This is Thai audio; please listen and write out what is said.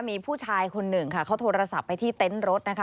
มีผู้ชายคนหนึ่งค่ะเขาโทรศัพท์ไปที่เต็นต์รถนะคะ